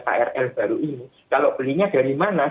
krl baru ini kalau belinya dari mana